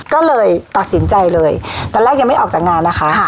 ก็เลยตัดสินใจเลยตอนแรกยังไม่ออกจากงานนะคะ